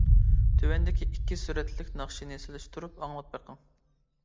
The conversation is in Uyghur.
تۆۋەندىكى ئىككى سۈرەتلىك ناخشىنى سېلىشتۇرۇپ ئاڭلاپ بېقىڭ.